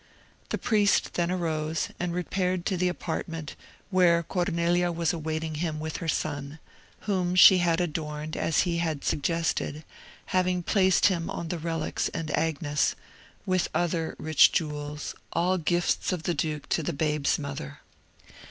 The priest then rose, and repaired to the apartment where Cornelia was awaiting him with her son, whom she had adorned as he had suggested, having placed on him the relics and agnus, with other rich jewels, all gifts of the duke to the babe's mother.